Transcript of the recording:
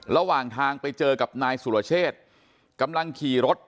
ระหว่างทางไปเจอกับนายสุรเชษกำลังขี่รถ